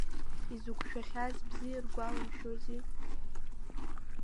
Изықәшәахьаз бзиа иргәаламшәози.